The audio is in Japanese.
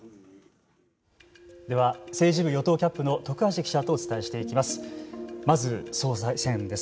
では、政治部与党キャップの徳橋記者とお伝えしていきます。